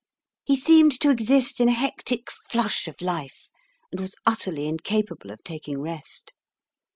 He seemed to exist in a hectic flush of life, and was utterly incapable of taking rest.